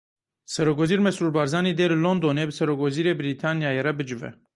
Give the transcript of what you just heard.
Serokwezîr Mesrûr Barzanî dê li Londonê bi Serokwezîrê Brîtanyayê re bicive.